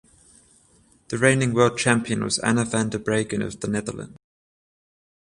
The reigning World Champion was Anna van der Breggen of the Netherlands.